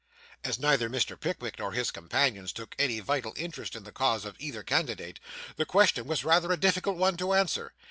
As neither Mr. Pickwick nor his companions took any vital interest in the cause of either candidate, the question was rather a difficult one to answer.